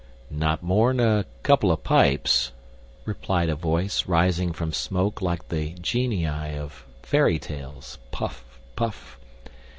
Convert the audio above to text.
"Not more'n a couple of pipes," replied a voice, rising from smoke like the genii in fairy tales (puff! puff!).